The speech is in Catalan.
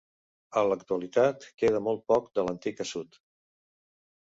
En l'actualitat queda molt poc de l'antic assut.